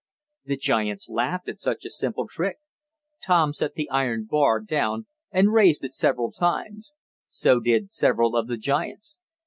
The giants laughed at such a simple trick. Tom set the iron bar down and raised it several times. So did several of the giants.